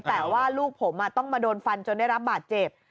แต่ว่าลูกผมต้องมาโดนฟันจนได้รับบาดเจ็บ